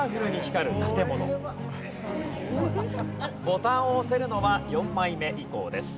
ボタンを押せるのは４枚目以降です。